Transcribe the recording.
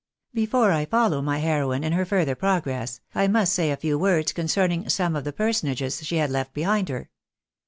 Before I follow my heroine in her further progress, I must say a few words concerning some of the personages she had left behind her.